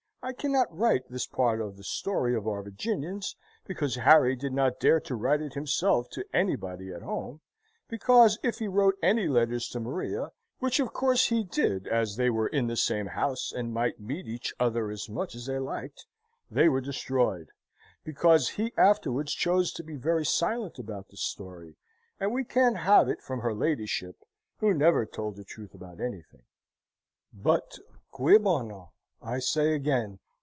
I cannot write this part of the story of our Virginians, because Harry did not dare to write it himself to anybody at home, because, if he wrote any letters to Maria (which, of course, he did, as they were in the same house, and might meet each other as much as they liked), they were destroyed; because he afterwards chose to be very silent about the story, and we can't have it from her ladyship, who never told the truth about anything. But cui bono? I say again.